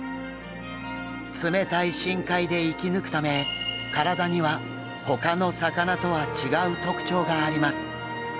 冷たい深海で生き抜くため体にはほかの魚とは違う特徴があります。